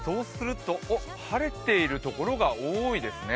晴れているところが多いですね。